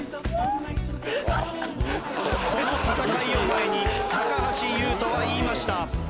この戦いを前に橋優斗は言いました。